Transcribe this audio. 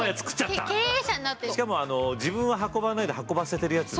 しかも自分は運ばないで運ばせてるやつね。